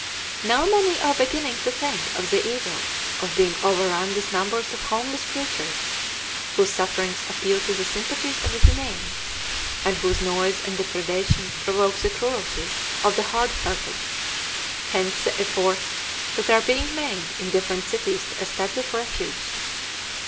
Now many are beginning to think of the evil of being overrun with numbers of homeless creatures, whose sufferings appeal to the sympathies of the humane, and whose noise and depredations provoke the cruelty of the hard hearted: hence the efforts that are being made in different cities to establish refuges.